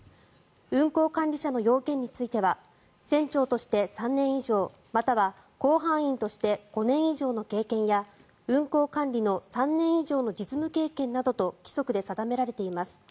運航管理者の要件については船長として３年以上または甲板員として５年以上の経験や運航管理の３年以上の実務経験などと規則で定められています。